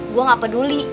gue gak peduli